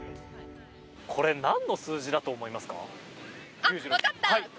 これなんの数字だと思いますか？